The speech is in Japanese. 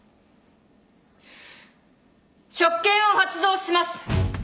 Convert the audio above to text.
職権を発動します！